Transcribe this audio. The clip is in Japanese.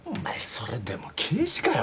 それでも刑事かよ？